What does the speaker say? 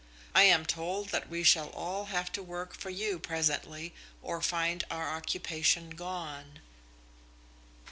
I am told that we shall all have to work for you presently or find our occupation gone."